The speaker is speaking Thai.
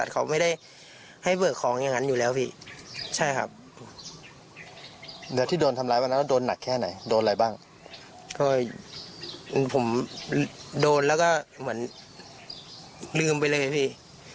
ก็ผมโดนแล้วก็เหมือนลืมไปเลยพี่